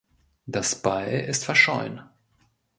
Das Beil ist verschollen.